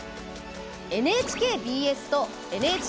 ＮＨＫＢＳとＮＨＫＢＳ